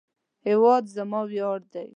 هیواد زما ویاړ دی